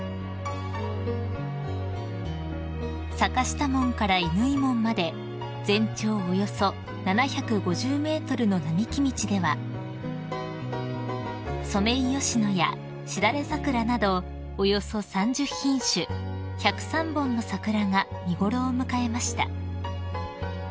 ［坂下門から乾門まで全長およそ７５０ｍの並木道ではソメイヨシノやシダレザクラなどおよそ３０品種１０３本の桜が見頃を迎えました］